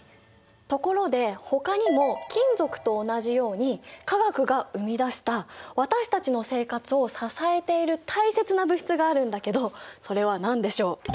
ところでほかにも金属と同じように化学が生み出した私たちの生活を支えている大切な物質があるんだけどそれは何でしょう？